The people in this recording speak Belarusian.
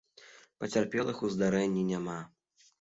Пацярпелых у здарэнні няма.